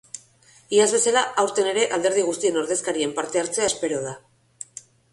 Iaz bezala, aurten ere alderdi guztien ordezkariek parte hartzea espero da.